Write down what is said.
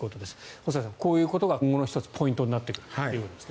細谷さん、こういうことが今後の１つ、ポイントになってくるということですね。